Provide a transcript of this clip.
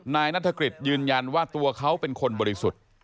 นายนัฐกฤษยืนยันว่าตัวเขาเป็นคนบริสุทธิ์